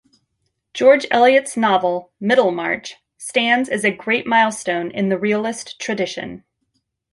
George Eliot's novel "Middlemarch" stands as a great milestone in the realist tradition.